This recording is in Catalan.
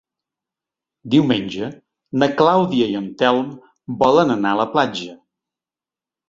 Diumenge na Clàudia i en Telm volen anar a la platja.